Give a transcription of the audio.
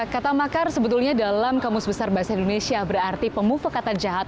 kata makar sebetulnya dalam kamus besar bahasa indonesia berarti pemufakatan jahat